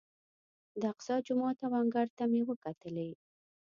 د اقصی جومات او انګړ ته مې وکتلې.